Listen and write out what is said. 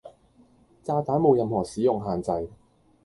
炸彈冇任何使用限制